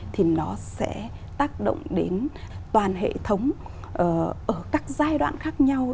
thì nó sẽ tác động đến toàn hệ thống ở các giai đoạn khác nhau